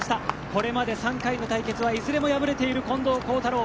これまで３回の対決はいずれも敗れている近藤幸太郎。